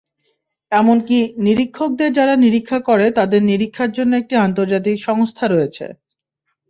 এমনকি নিরীক্ষকদের যারা নিরীক্ষা করে তাদের নিরীক্ষার জন্য একটি আন্তর্জাতিক সংস্থা রয়েছে।